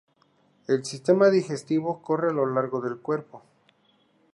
El sistema digestivo corre a lo largo del cuerpo.